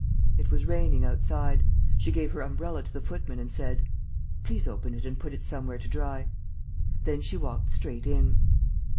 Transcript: It was raining outside. She gave her umbrella to the footman and said: "Please open it and put it somewhere to dry." Then she walked straight in.